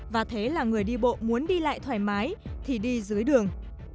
và thế là người đi bộ muốn đi lại thoải mái thì đi dưới đường